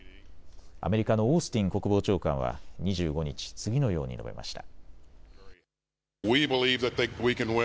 アメリカのオースティン国防長官は２５日、次のように述べました。